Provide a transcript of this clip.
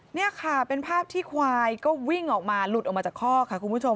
นี่ค่ะเป็นภาพที่ควายก็วิ่งออกมาหลุดออกมาจากคอกค่ะคุณผู้ชม